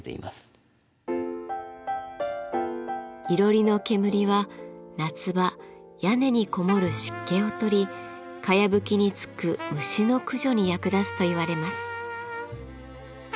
いろりの煙は夏場屋根にこもる湿気を取りかやぶきにつく虫の駆除に役立つといわれます。